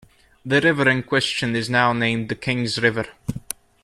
The river in question is now named the "Kings River".